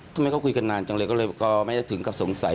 ทำไมเขาคุยกันนานจังเลยก็เลยไม่ได้ถึงกับสงสัย